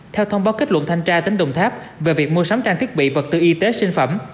theo thông báo kết luận thanh tra tỉnh đồng tháp về việc mua sắm trang thiết bị vật tư y tế sinh phẩm